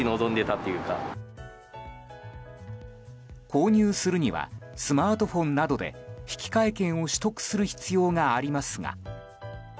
購入するにはスマートフォンなどで引換券を取得する必要がありますが。